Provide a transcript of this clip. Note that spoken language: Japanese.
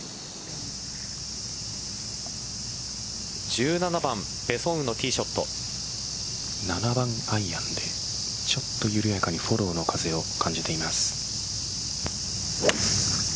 １７番ペ・ソン７番アイアンでちょっと緩やかにフォローの風を感じています。